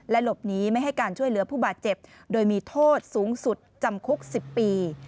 หลบหนีไม่ให้การช่วยเหลือผู้บาดเจ็บโดยมีโทษสูงสุดจำคุก๑๐ปี